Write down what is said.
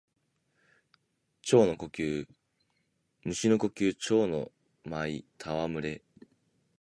蟲の呼吸蝶ノ舞戯れ（ちょうのまいたわむれ）